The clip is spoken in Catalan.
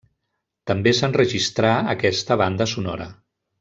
També s'enregistrà aquesta banda sonora.